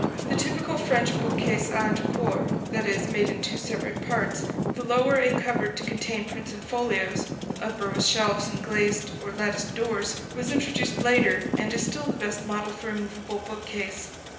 The typical French bookcase à deux corps that is, made in two separate parts, the lower a cupboard to contain prints and folios, the upper with shelves and glazed or latticed doors was introduced later, and is still the best model for a movable bookcase.